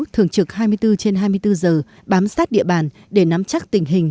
thường trực hai mươi bốn trên hai mươi bốn giờ bám sát địa bàn để nắm chắc tình hình